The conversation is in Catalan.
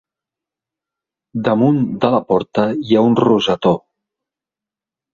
Damunt de la porta hi ha un rosetó.